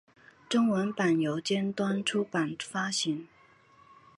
中文版由尖端出版发行。